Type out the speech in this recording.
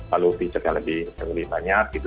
lalu fitur yang lebih lebih banyak gitu